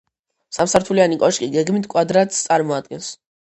სამსართულიანი კოშკი გეგმით კვადრატს წარმოადგენს.